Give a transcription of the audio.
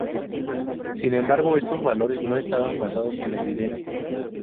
Sin embargo, estos valores no estaban basados en la evidencia.